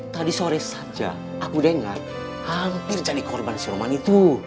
tadi sore saja aku dengar hampir jadi korban siroman itu